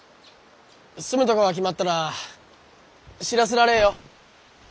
住むとこが決まったら知らせられえよ。